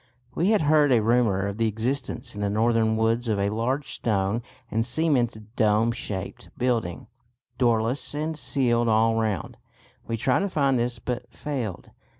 We had heard a rumour of the existence in the northern woods of a large stone and cemented dome shaped building, doorless and sealed all round. We tried to find this but failed.